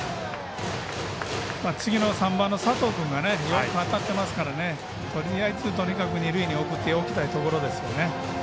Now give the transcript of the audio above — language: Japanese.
次の３番の佐藤君がよく当たってますからとりあえず、とにかく二塁に送っておきたいところですよね。